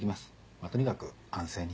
まぁとにかく安静に。